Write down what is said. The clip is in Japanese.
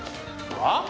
はっ？